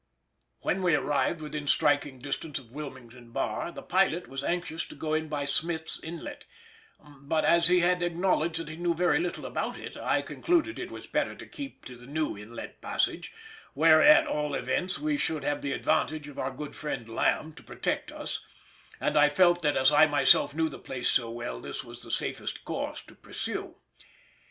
When we arrived within striking distance of Wilmington bar the pilot was anxious to go in by Smith's inlet, but as he acknowledged that he knew very little about it I concluded it was better to keep to the new inlet passage, where, at all events, we should have the advantage of our good friend Lamb to protect us; and I felt that as I myself knew the place so well, this was the safest course to pursue.